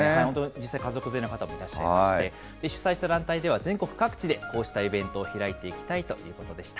実際、家族連れの方もいらっしゃいまして、主催した団体では、全国各地でこうしたイベントを開いていきたいということでした。